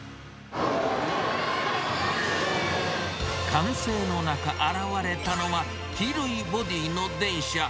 歓声の中、現れたのは、黄色いボディーの電車。